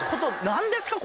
何ですか？